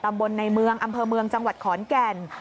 ตำบลในเมืองอำเภอเมืองจังหวัดขอนแก่น